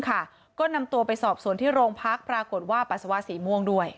ค่ะก็นำตัวไปสอบส่วนที่โรงพักษณ์พระกรวาบปัจสาวสีม่วงด้วย